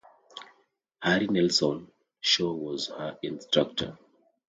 Harry Nelson Shaw was her instructor.